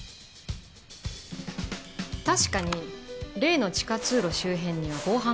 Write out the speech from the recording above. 確かに例の地下通路周辺には防犯カメラがない。